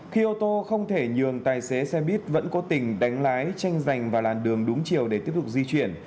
khi ô tô không thể nhường tài xế xe buýt vẫn cố tình đánh lái tranh giành vào làn đường đúng chiều để tiếp tục di chuyển